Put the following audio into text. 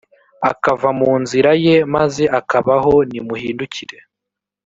akava mu nzira ye maze akabaho nimuhindukire